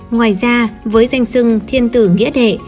ngoài ra với danh sừng thiên tử nghĩa đệ